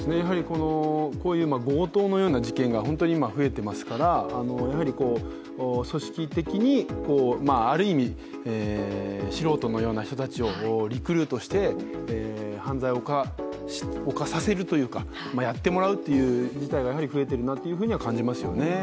こういう強盗のような事件が本当に今増えていますから、組織的に、ある意味、素人のような人たちをリクルートして犯罪を犯させるというか、やってもらうというのがやはり増えているなというふうには感じますよね。